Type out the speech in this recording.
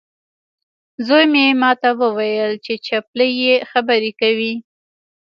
زوی مې ماته وویل چې چپلۍ یې خبرې کوي.